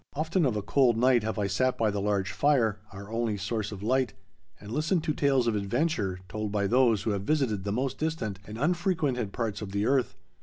Often of a cold night have I sat by the large fire, our only source of light, and listened to tales of adventure told by those who have visited the most distant and unfrequented parts of the earth.